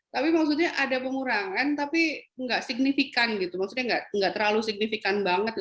tapi maksudnya ada pengurangan tapi nggak signifikan gitu maksudnya nggak terlalu signifikan banget